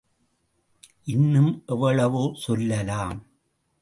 இன்னும் எவ்வளவோ சொல்லலாம்.